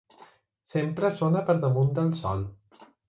Sempre sona per damunt del sol.